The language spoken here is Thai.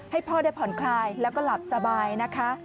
ให้พ่อได้ผ่อนคลายแล้วก็หลับสบายนะคะ